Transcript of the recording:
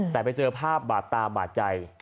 แต่ไปเจอภาพบาดตาบาดใจ